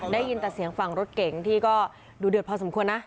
ได้ยินแต่เสียงฝั่งรถเก๋งที่ก็ดูเดือดพอสมควรนะ